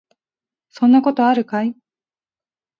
そんなことあるかい